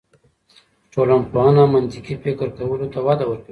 ټولنپوهنه منطقي فکر کولو ته وده ورکوي.